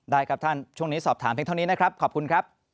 ได้ครับท่านช่วงนี้สอบถามเพียงเท่านี้นะครับขอบคุณครับ